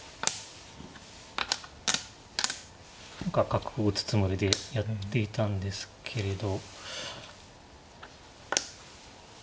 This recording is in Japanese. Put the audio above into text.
角を打つつもりでやっていたんですけれど。